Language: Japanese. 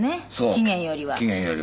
期限よりは。